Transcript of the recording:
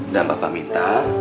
dan papa minta